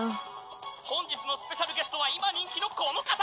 本日のスペシャルゲストは今人気のこの方！